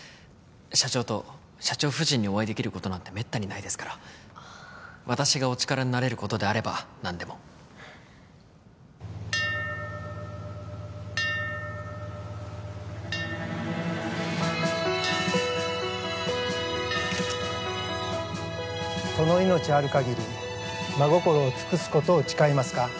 社長と社長夫人にお会いできることなんてめったにないですから私がお力になれることであれば何でもその命あるかぎり真心をつくすことを誓いますか？